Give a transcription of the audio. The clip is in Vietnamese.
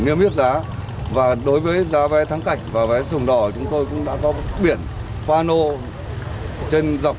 niêm biết giá và đối với giá vé thắng cảnh và vé sùng đỏ chúng tôi cũng đã có biển khoa nộ trên dọc